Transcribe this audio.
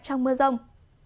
trong mưa rông